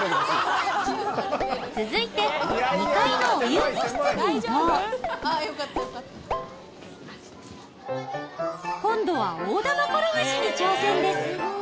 続いて２階のお遊戯室に移動今度は大玉転がしに挑戦です